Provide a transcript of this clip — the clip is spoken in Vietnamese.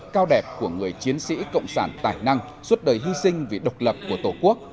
cao đẹp của người chiến sĩ cộng sản tài năng suốt đời hy sinh vì độc lập của tổ quốc